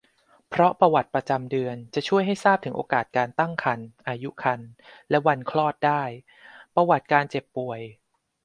เพราะประวัติประจำเดือนจะช่วยให้ทราบถึงโอกาสการตั้งครรภ์ อายุครรภ์ และวันคลอดได้ ประวัติการเจ็บป่วย